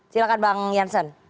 silahkan bang jansen